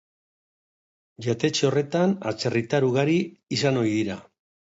Jatetxe horretan atzerritar ugari izan ohi dira.